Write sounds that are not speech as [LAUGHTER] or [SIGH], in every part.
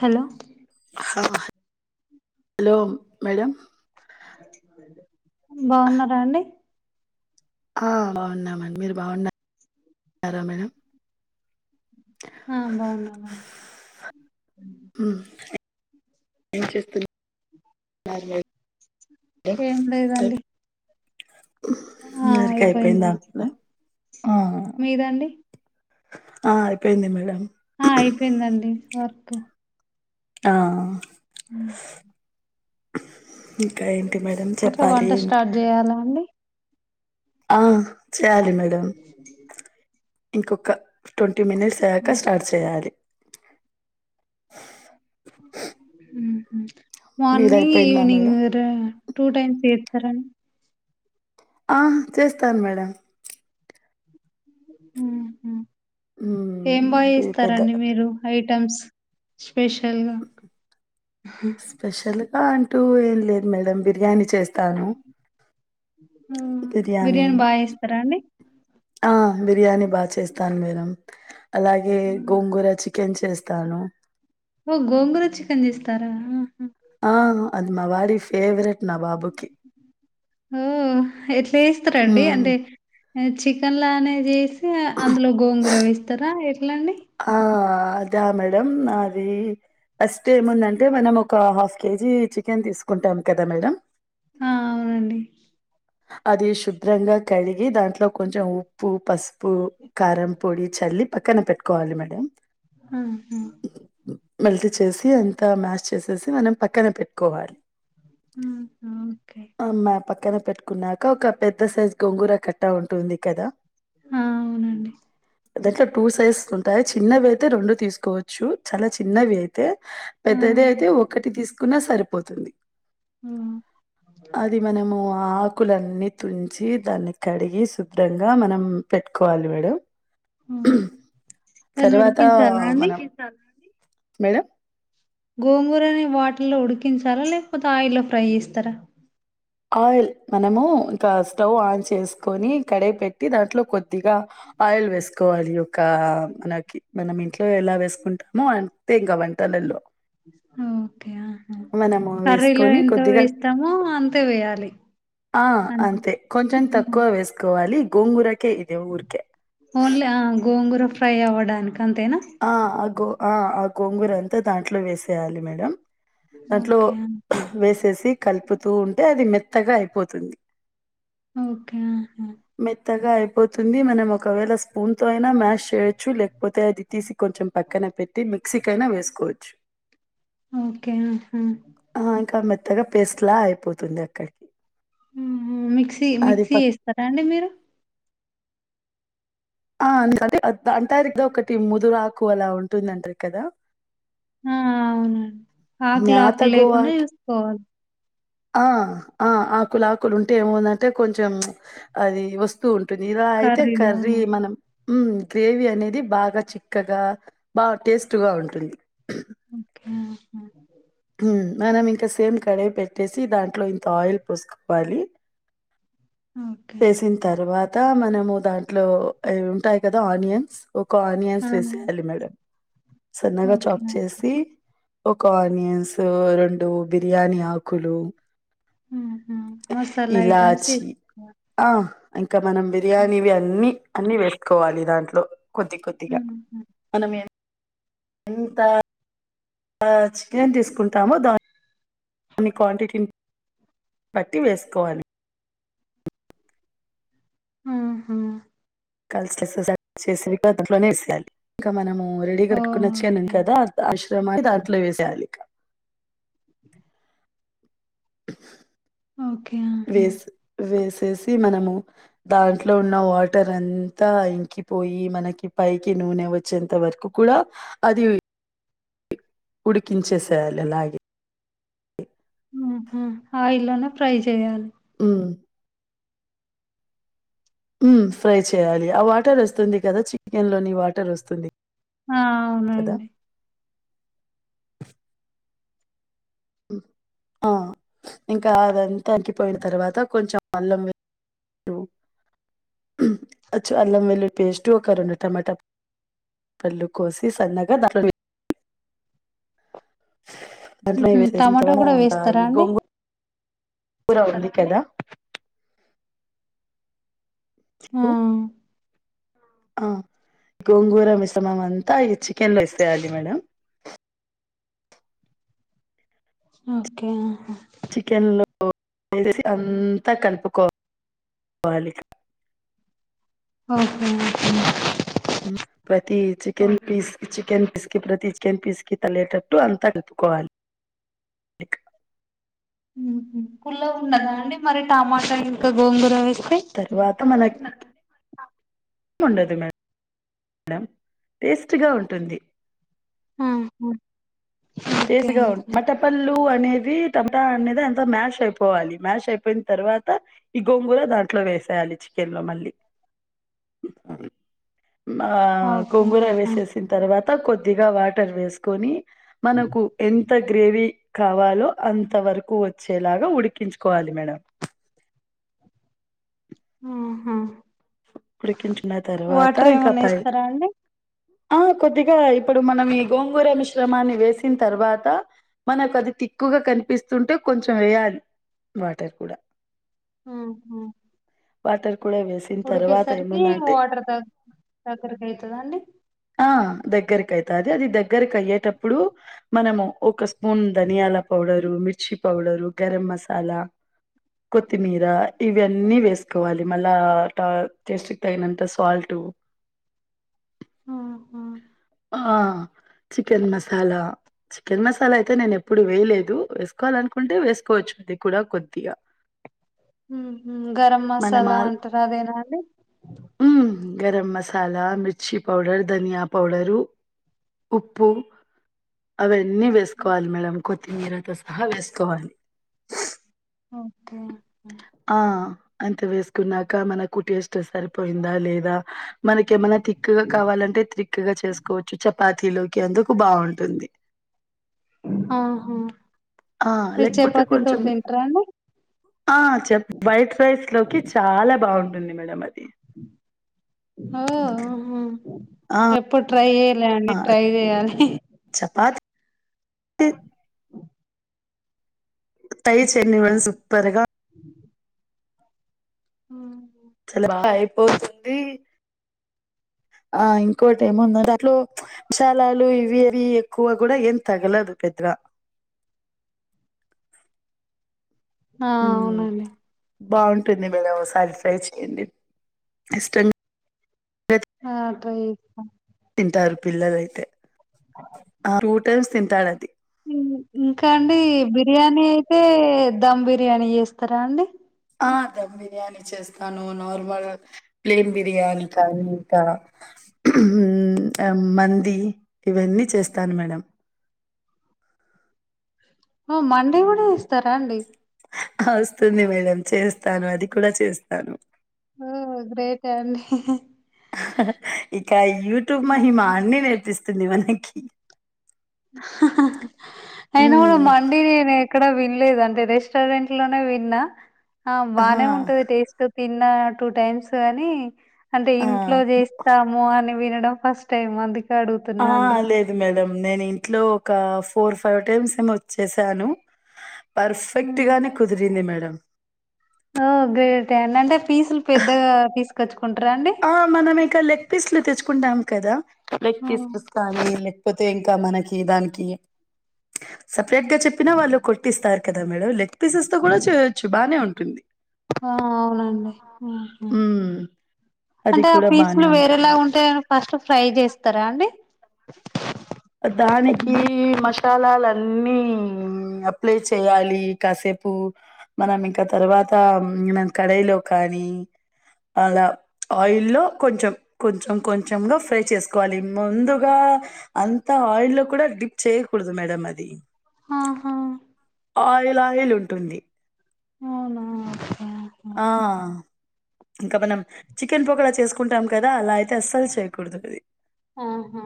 Hello హా hello madam బాగున్నారండీ ఆ బాగున్నామండి మీరు బాగున్నారా మేడం ఆ బాగున్నామండి హ్ ఏం చేస్తున్నారు ఏం లేదు ఏం లేదండి ఆ వర్క్ అయిపోయిందా అయిపోయిందండి అప్పుడే మీదండి ఆ అయిపోయింది మేడం ఆ అయిపోయిందండి వర్క్ ఆ ఇంకా ఏంటి మేడం చెప్పాలి చేయాల అండి ఆ చేయాలి మేడం ఇంకొక ట్వంటీ మినిట్స్ అయ్యాక స్టార్ట్ చేయాలి హుహ్ మీది మార్నింగ్ అయిపోయిందా మేడం ఈవినింగ్ టా టూ టైమ్స్ చేస్తారండీ ఆ చేస్తాను మేడం ఊహు ఉమ్ ఏం బాగా ఇది పెద్ద చేస్తారండి మీరు ఐటమ్స్ స్పెషల్గా స్పెషల్గా అంటూ ఏం లేదు మేడం బిర్యానీ చేస్తాను. బిర్యానీ బాగా చేస్తారా అండి ఆ బిర్యానీ బా చేస్తాన్ మేడం అలాగే గోంగూర చికెన్ చేస్తాను ఓ గోంగూర చికెన్ చేస్తారా ఆ అది మా వారి ఫేవరెట్ నా బాబుకి. ఓ ఎట్ల చేస్తారండి హ్మ్. అంటే చికెన్ లానే చేసి అందులో గోంగూర వేస్తారా ఎట్లండి ఆ అదా మేడంమ్ ఆది ఫస్ట్ ఏముందంటే మనం ఒక హాఫ్ కేజీ చికెన్ తీస్ కుంటాం కదా మేడం ఆ అవునండి అది శుభ్రంగా కడిగి దాంట్లో కొంచెం ఉప్పు పసుపు కారం పొడి చల్లి పక్కన పెట్టుకోవాలి మేడం ఆహ మెల్ట్ చేసి అంతా మ్యాష్ చేసేసి మనం పక్కన పెట్కోవాలి ఆహా! ఓకే. అ మ పక్కన పెట్ కున్నాక ఒక పెద్ద సైజ్ గొంగుర కట్టా ఉంటుంది కదా ఆ అవునండి దాంట్ల టూ సైజెస్ ఉంటాయి చిన్నవయితే రెండు తీసుకోవచ్చు చాలా చిన్నవి అయితే ఆ! పెద్దది అయితే ఒకటి తీసుకున్నా సరిపోతుంది ఆ! అది మనము ఆక్ కులన్నీ తుంచి దాన్ని కడిగి శుభ్రంగా మనం పెట్కోవాలి మేడం ఆ! దాన్ని తర్వాత ఉడికించాలా అండి? మనం మేడం గోంగూరని వాటిర్ల్లో ఉడికించాలా లేకపోతే ఆయిల్లో ఫ్రై చేస్తారా ఆయిల్ మనము ఇంకా స్టవ్ ఆన్ చేస్కొని కడయి పెట్టి దాంట్లో కొద్దిగా ఆయిల్ వేస్కోవాలి ఒకా మనకి మనం ఇంట్లో ఎలా వేస్కుంటామో అంతే ఇంకా వంటలల్లో ఓకే ఆహా కర్రీలో వేసుకొని ఎంత కొద్దిగా వేస్తామో అంతే వేయాలి ఆ అంతే కొంచెం హ్మ్. తక్కువ వేస్కోవాలి గోంగూర ఓన్లీ ఆ గోంగూర ఫ్రై అవ్వడానికంతేనా ఆ ఆ గో ఆ ఆ గోంగూర అంతా దాంట్లో వేసేయాలి మేడం దాంట్లో ఓకే. వేసేసి కలుపుతూ ఉంటే అది మెత్తగా అయిపోతుంది ఓకే ఆహా! మెత్తగా అయిపోతుంది మనం ఒకవేళ స్పూన్ తో అయినా మ్యాష్ చేయొచ్చు లేకపోతే అది తీసి కొంచెం పక్కన పెట్టి మిక్సీ కైనా వేసుకోవచ్చు ఓకే ఆహా ఆ ఇంకా మెత్తగా పేస్ట్ లా అయిపోతుంది అక్కడికి ఊహు మిక్సీ అది మిక్సీ పక్ ఏస్తరా అండి మీరు ఆ [UNINTELLIGIBLE] అంటారు కదా ఒకటి ముదురాకు అలా ఉంటుందంటారు కదా ఆ అవునండి ఆకులు జ్ఞాత ఆకులు లేకుండా గోవాకి చేస్కోవాలి ఆ ఆ ఆకులాకులుంటే ఏమువుదంటే కొంచెం అది వస్ స్తూ ఉంటుంది ఇలా అయితే కర్రీలో కర్రీ మనం హూ గ్రేవీ అనేది బాగా చిక్కగా బా టేస్ట్గా ఉంటుంది ఓకే అర్థమై హు మనం ఇంకా సేమ్ కడిగి పెట్టేసి దాంట్లో ఇంత ఆయిల్ పోస్కోవాలి ఓకే. వేసిన్ తర్వాత మనము దాంట్లో ఉంటాయి కదా ఆనియన్స్ ఒక, ఆ! ఆనియన్స్, వేసేయాలి. మేడం, సన్నగా, ఓకే. చాక్, చేసి, ఒక, ఆనియన్స్, రెండుబిర్యానీ, ఆకులు, ఆహా! మసాలా ఐటెమ్స్ ఇలాచి, ఏసుకోవాలి. ఆ, ఇంకా, మనం, హ్మ్. బిర్యానీవి, అన్నిీ, అన్ని, వేసుకోవాలి. దాంట్లో, కొద్దికొద్దిగా, హ్మ్. మనం, ఎ, ఎంత, చికెన్, తీసుకుంటాము, దాన్, అన్ని, క్వాంటిటీ, బట్టి, వేసుకోవాలి. ఆహా, కలిసి చే అంట్లోనే వేయాలి [UNINTELLIGIBLE] ఇంకా, మనము, రెడీగా పెట్టుకుని వచ్చి అనుం ఓకే. కదా.. అశ్రమ, దాంట్లో, వేసేయ్యాలి, ఇకా, ఓకే. ఆహా! వేస్, వేసేసి, మనము, దాంట్లో, ఉన్న, వాటర్, అంతా, ఇంకిపోయి, మనకి, పైకి, నూనెవచ్చి వచ్చేంతవరకు, కూడా, అది, ఉడికించేసేయాలి. అలాగే, ఆహా, ఆయిల్లోనే, ఫ్రై, చేయాలి. హ్మ్మ్ హ్మ్మ్, ఫ్రైచేయాలి. ఆ, వాటర్, వస్తుంది. కదా, చికెన్ లోనీ, వాటర్, వస్తుంది. ఆ! కదా, అవునండి. ఆ, ఇంకా, అదంతా, ఇంకిపోయిన, తర్వాత, కొంచెం, అల్లం, అచ్చ, అల్లంవెల్లుల్లి, పేస్ట్, ఒక, రొండుటమాటా, పళ్ళు, కోసి, సన్నగా, దాంట్లోవేయాలి. దాంట్లో హుహు. వేసినవి టమాటా చాలా గూడా ఉన్నాయి వేస్తారా [UNINTELLIGIBLE] అండి? గొంగూర కూర ఉంది. కదా, ఆ, ఆ, గోంగూరమిశ్రమం, అంత, ఈ, చికెన్, లో, వేసేయాలి, మేడం, ఓకే, చికెన్లో, వేసిఅంతా, కలుపుకోవాలి. ఆహా, ప్రతి, చికెన్ పీస్, చికెన్ పీస్, కి, ప్రతి చికెన్ పీస్, కి తల్లిటట్టు, అంతా, కలుపుకోవాలి. హామ్, హు, పుల్లగాఉండదా, అండి, మరి, టమాటా, ఇంకా, గోంగూరవేస్తే, తరువాత, మనకి, [UNINTELLIGIBLE] ఉండదు మేడం మేడం టేస్ట్ గా ఉంటుంది. ఆ [UNINTELLIGIBLE] పళ్ళు, అనేది, టమోటా, అనేది, అంత, మ్యాష్, అయిపోవాలి. మ్యాష్, అయిపోయిన, తర్వాత, ఈ, గోంగూర, దాంట్లో, వేసేయాలి. చికెన్లో, మళ్ళీ, [INAUDIBLE] అమ్, ఆ, ఓకే గొంగూర, ఆహా వేసేసిన, తర్వాత, కొద్దిగా, వాటర్, వేసుకొని, మనకు, ఎంత, గ్రేవీకావాలో, అంతవరకు, వచ్చేలాగా, ఉడికించుకోవాలి. మేడం, ఉహూ ఉడికించుకున్న, తర్వాత, ఇంకా, ఏమన్నా పై ఇస్తారా అండి ఆ, కొద్దిగా, ఇప్పుడు, మనం, ఈగోంగూర, మిశ్రమాన్ని, వేసిన, తర్వాత, మనకది, థిక్, గా, కనిపిస్తుంటే, కొంచెం, వేయాలి. వాటర్, కూడా, ఉహ్ హు వాటర్ కూడా వేసి ఉడికేసరికి వాటర్ దగ్గ్ దగ్గరకి అయితదండి ఆ దగ్గరకి అయితాది అది దగ్గరకు అయ్యేటప్పుడు మనము ఒక స్పూన్ ధనియాల పౌడరు మిర్చి పౌడరు గరం మసాలా కొత్తిమీర ఇవన్నీ వేసుకోవాలి మళ్ళా టా టేస్ట్‌కు తగినంత సాల్టు ఆహా ఆహ్ చికెన్ మసాలా చికెన్ మసాలా అయితే నేను ఎప్పుడు వేయలేదు వేసుకోవాలనుకుంటే వేసుకోవచ్చు అది కూడా కొద్దిగా మ్మ్ఉహ్మ్ గరం మసాలా అంటారు అదేనా అండి ఉమ్మ్ గరం మసాలా మిర్చి పౌడర్ ధనియా పౌడ రూ ఉప్పు అవన్నీ వేసుకోవాలి మేడం కొత్తిమీరతో సహా వేసుకోవాలి ఓకే ఆ అంత వేసుకున్నాక మనకు టేస్ట్ సరిపోయిందా లేదా మనకి ఏమనా తిక్కుగా కావాలంటే తిక్కుగా చేసుకోవచ్చు చపాతలోకి అందుకు బాగుంటుంది ఆహా ఆ మీరు లేకపోతే చపాతి కొంచెం తోటి తింటారాండి ఆ చెప్ వైట్ రైస్లోకి చాలా బాగుంటుంది మేడం అది ఓ ఆహా ఆ ఎప్పుడు ట్రై చేయాలే అండి ట్రై చేయాలి చపాతి [INAUDIBLE] తి టై చేయండి మరి సూపర్‌గా మ్మ్ఉమ్మ్ చాలా బా అయిపోతుంది [INAUDIBLE] ఆ ఇంకోటేమో దాంట్లో మసాలాలు ఇవి అవి ఎక్కువ కూడా ఏమి తగల దు పెద్దగా ఆ ఉమ్మ్ అవునండి బాగుంటుంది మేడం ఓసారి ట్రై చేయండి ఇష్టం ఆ ట్రై చేస్తా తింటారు పిల్లలైతే ఆ టూ టైమ్స్ తింటారు అది ఉహ్మ్ ఇంకా అండి బిర్యానీ చే ధమ్ బిర్యానీ చేస్తారా అండి ఆ ధమ్ బిర్యానీ చేస్తాను నార్మల్ ప్లెయిన్ బిర్యాని కానీ ఇంకా ఉమ్ మంది ఇవన్నీ చేస్తాను మేడం ఓ మండి కూడా చేస్తారాండి ఆ వస్తుంది మేడం చేస్తాను అది కూడా చేస్తాను ఓ గ్రేటే అండి ఇక యూట్యూబ్ మహిమా అన్ని నేర్పిస్తుంది మనకి అయిన కూడా ఉమ్ మండి నేను ఎ క్కడ విన్లేదు అంటే రెస్టారెంట్లోనే విన్నా ఆ హా బానే ఉంటది టేస్ట్ తిన్న టూ టైమ్స్ గాని అంటే ఆ! ఇంట్లో చేస్తాము అని వినడం ఫస్ టైం అందు ఆ లేదు మేడం నేను ఇంట్లో ఒక ఫోర్ ఫైవ్ టైమ్స్ ఏమో చేశాను పర్ఫెక్ట్‌గానే కుదిరింది మేడం ఓ గ్రేటే అండి అంటే పీసులు పెద్దగా తీసుకొచ్చుకుంటారా అండి ఆ మనం ఇక లెగ్ పీస్లు తెచ్చుకుంటాం కదా లెగ్ ఆ! పీసెస్ కానీ లేక్పో సపరేట్ గా చెప్పిన వాళ్లు కొట్టిస్తారు కదా మేడమ్ లెగ్ పీసెస్ తో కూడా చేయొచ్చు బానే ఉంటుంది హ్మ్. అది అంటే ఆ కూడా బానే పీసులు ఉంటుంది. వేరేలా ఉంటాయా ఫస్ట్ ఫ్రై చేస్తారా అండి దానికి మసాలాలన్నీ అప్లై చేయాలి కాసేపు మనం ఇంకా తర్వాత ఆమ్ కడాయి లో కానీ అలా ఆయిల్లో కొంచెం కొంచెం కొంచెం గా ఫ్రై చేసుకోవాలి ముందుగా అంత ఆయిల్ లో కూడా డిప్ చేయకూడదు మేడం అది ఆహా ఆయిల్ ఆయిల్ ఉంటుంది అవునా అక్క ఆ ఇంకా మనం చికెన్ పకోడా చేసుకుంటాం కదా అలా అయితే అస్సలు చేయకూడదు అది హా హా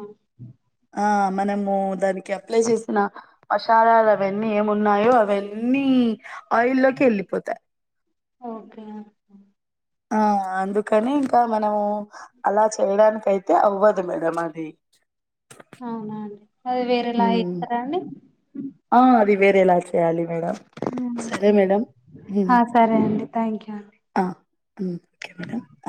ఆ మనము దానికి అప్లై చేసిన మశాలాలు అవన్నీ ఏమున్నాయో అవన్నీ ఆయిల్లోకి ఎల్లిపోతాయి ఓకే ఆ అందుకని ఇంకా మనము అలా చేయడానికి అయితే అవ్వదు మేడం అది అవునా అది వేరేలా ఉమ్ ఇస్తారా అండి ఆ అది వేరేలా చేయాలి మేడం సరే మేడం ఆ సరే అండి థ్యాంక్ యూ ఆ